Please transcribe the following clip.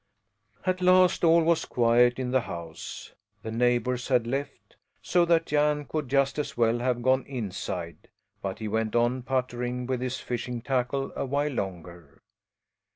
At last all was quiet in the house. The neighbours had left, so that Jan could just as well have gone inside; but he went on puttering with his fishing tackle a while longer.